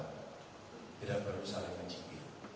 tidak perlu saling menjibil